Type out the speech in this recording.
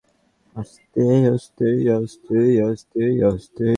আস্তে, আস্তে, আস্তে!